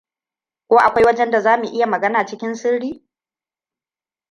Ko akwai wajen da za mu iya magana cikin sirri?